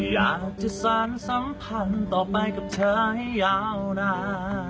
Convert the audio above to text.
อยากจะสารสัมพันธ์ต่อไปกับเธอให้ยาวนาน